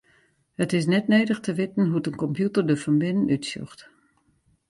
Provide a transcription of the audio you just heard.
It is net nedich te witten hoe't in kompjûter der fan binnen útsjocht.